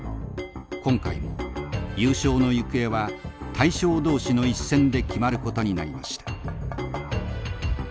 今回も優勝の行方は大将同士の一戦で決まることになりました。